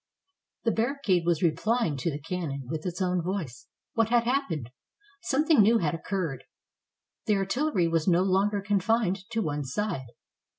The barricade was replying to the cannon with its own voice. What had happened? Something new had occurred. The artillery was no longer confined to one side.